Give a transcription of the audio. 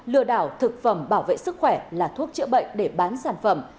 lừa đảo thực phẩm bảo vệ sức khỏe là thuốc chữa bệnh để bán sản phẩm